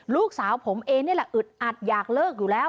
ลูกสาวผมเองนี่แหละอึดอัดอยากเลิกอยู่แล้ว